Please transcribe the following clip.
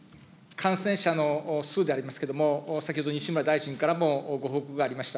感染者の数でありますけれども、先ほど西村大臣からもご報告がありました。